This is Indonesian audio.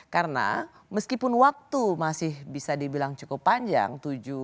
karena meskipun waktu masih bisa dibilang cukup panjang